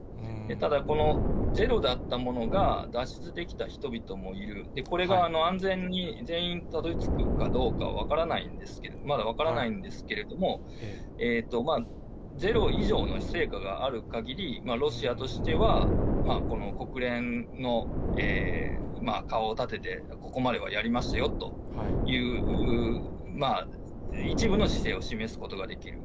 ただ、このゼロだったものが、脱出できた人々もいる、これが安全に全員たどりつくかどうか分からないんですけど、まだ分からないんですけれども、ゼロ以上の成果があるかぎり、ロシアとしては、この国連の顔を立てて、ここまではやりましたよという、一部の姿勢を示すことができる。